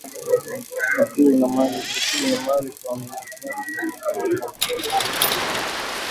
Akili ni mali kwa mutu